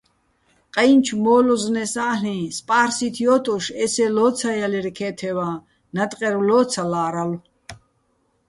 ყაჲნჩო̆ მოლო́ზნეს ა́ლ'იჼ: "სპარსით ჲო́ტუშ ესე ლო́ცაჲალირ ქე́თევაჼ , ნატყერვ ლოცალარალო̆".